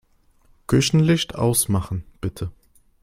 Küchenlicht ausmachen, bitte.